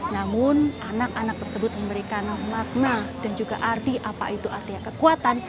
namun anak anak tersebut memberikan makna dan juga arti apa itu artinya kekuatan